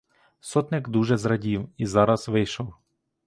Сотник дуже зрадів і зараз вийшов.